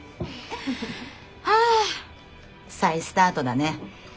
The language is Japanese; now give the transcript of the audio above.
はあ再スタートだね。